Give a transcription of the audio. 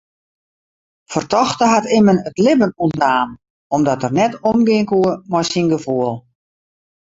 Fertochte hat immen it libben ûntnaam omdat er net omgean koe mei syn gefoel.